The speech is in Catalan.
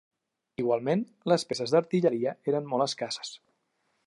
Igualment, les peces d'artilleria eren molt escasses.